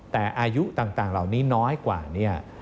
แต่อายุต่างเหล่านี้น้อยกว่าเนี่ย